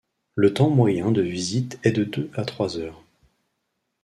Le temps moyen de visite est de deux à trois heures.